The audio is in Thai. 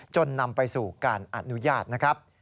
นำไปสู่การอนุญาตนะครับ